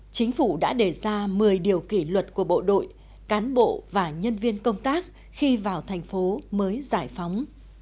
chính phủ đã đề ra một mươi điều kỷ luật của bộ đội cán bộ và nhân viên công tác khi vào thành phố mới giải phóng